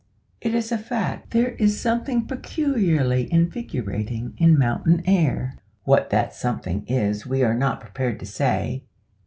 It is a fact, that there is something peculiarly invigorating in mountain air. What that something is we are not prepared to say.